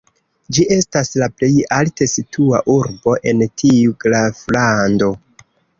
Ĝi estas la plej alte situa urbo en tiu graflando.